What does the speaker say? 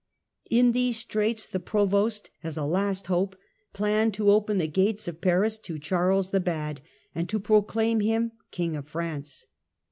In these straits the Provost as a last hope planned to open the gates of Paris to Charles the Bad and to proclaim him King of France.